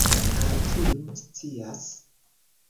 Kaj, kiu scias?